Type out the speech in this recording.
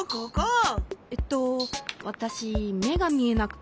えっとわたしめがみえなくて。